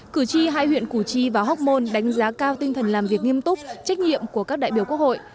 cử tri hai huyện củ chi và hóc môn đánh giá cao tinh thần làm việc nghiêm túc trách nhiệm của các đại biểu quốc hội